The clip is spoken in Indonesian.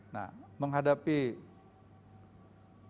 nah menghadapi covid